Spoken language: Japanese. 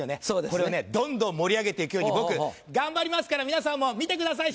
これをねどんどん盛り上げて行くように僕頑張りますから皆さんも見てください